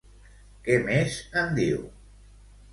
Què més en diu?